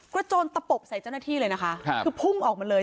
โจรตะปบใส่เจ้าหน้าที่เลยนะคะคือพุ่งออกมาเลย